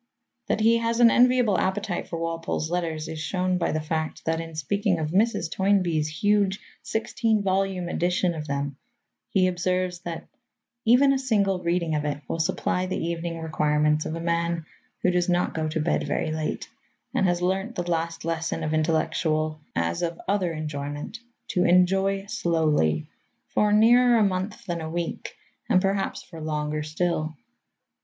That he has an enviable appetite for Walpole's letters is shown by the fact that, in speaking of Mrs. Toynbee's huge sixteen volume edition of them, he observes that "even a single reading of it will supply the evening requirements of a man who does not go to bed very late, and has learnt the last lesson of intellectual as of other enjoyment to enjoy slowly for nearer a month than a week, and perhaps for longer still."